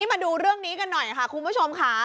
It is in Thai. มาดูเรื่องนี้กันหน่อยค่ะคุณผู้ชมค่ะ